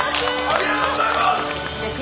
ありがとうございます！